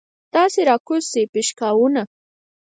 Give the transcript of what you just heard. تاسې راکوز شئ پشکاوونه.